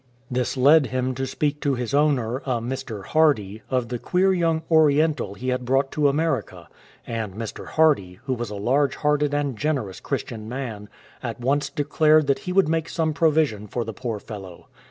This led him to speak to his owner, a Mr. Hardy, of the queer young Oriental he had brought to America ; and Mr. Hardy, who was a large hearted and generous Christian man, at once declared that he would make some provision for the poor fellow.